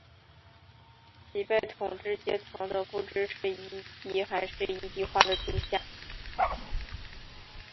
其被统治阶层则不知是夷狄还是夷狄化的诸夏。